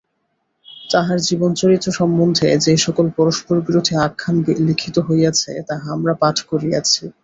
তাঁহার জীবনচরিত সম্বন্ধে যে-সকল পরস্পরবিরোধী আখ্যান লিখিত হইয়াছে, তাহা আমরা পাঠ করিয়াছি।